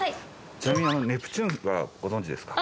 ちなみにネプチューンはご存じですか？